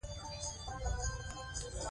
هېڅ ماشوم بايد له زده کړو پاتې نشي.